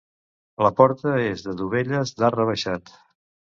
La porta és de dovelles d'arc rebaixat.